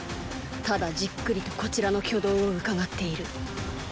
ただじっくりとこちらの挙動をうかがっている。